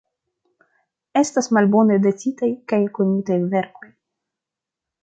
Estas malbone datitaj kaj konitaj verkoj.